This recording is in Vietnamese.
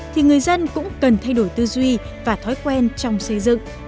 thì người dân cũng cần thay đổi tư duy và thói quen trong xây dựng